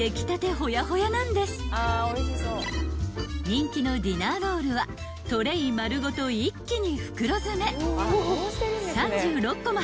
［人気のディナーロールはトレー丸ごと一気に袋詰め］